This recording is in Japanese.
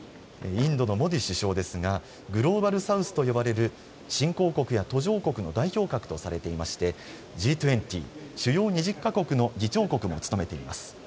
インドのモディ首相ですがグローバル・サウスと呼ばれる新興国や途上国の代表格とされていましてＧ２０・主要２０か国の議長国も務めています。